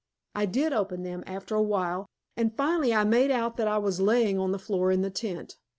I did open them after a while, and finally I made out that I was laying on the floor in the tent.